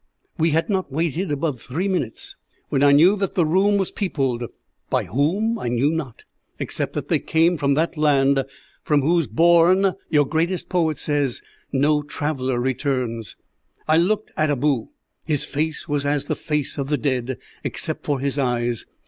"We had not waited above three minutes when I knew that the room was peopled by whom I knew not, except that they came from that land from whose bourne, your greatest poet says, 'no traveller returns.' I looked at Abou. His face was as the face of the dead, except for his eyes.